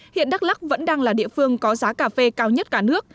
hiện đắk lắc vẫn đang là địa phương có giá cà phê cao nhất cả nước